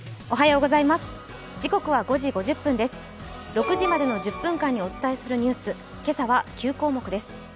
６時までの１０分間にお伝えするニュース、今朝は９項目です。